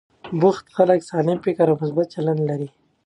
بوخت خلک سالم فکر او مثبت چلند لري.